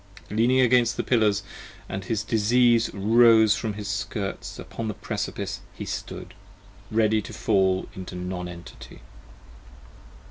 32 LEANING against the pillars, & his disease rose from his skirts: Upon the Precipice he stood; ready to fall into Non Entity.